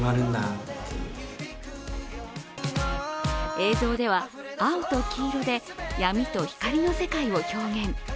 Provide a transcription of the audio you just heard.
映像では青と黄色で闇と光の世界を表現。